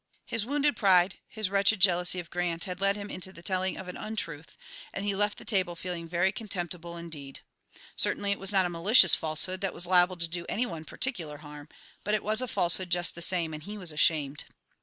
His wounded pride, his wretched jealousy of Grant, had led him into the telling of an untruth, and he left the table feeling very contemptible indeed. Certainly it was not a malicious falsehood that was liable to do any one particular harm, but it was a falsehood just the same, and he was ashamed.